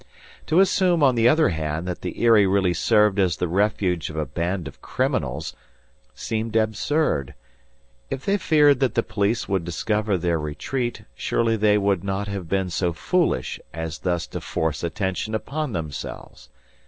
To assume, on the other hand, that the Eyrie really served as the refuge of a band of criminals, seemed absurd. If they feared that the police would discover their retreat, surely they would not have been so foolish as thus to force attention upon themselves.